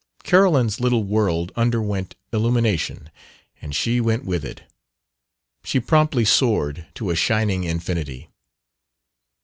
Carolyn's little world underwent illumination, and she with it. She promptly soared to a shining infinity.